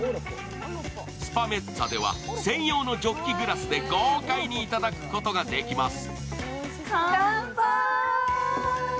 スパメッツァでは専用のジョッキグラスで豪快に頂くことができます。